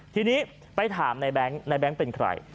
ทีนี้ไปถามนายแบงค์เป็นใคร